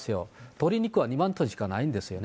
鶏肉は２万トンしかないんですよね。